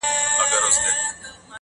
خو هغه زړور زوړ غم ژوندی گرځي حیات دی,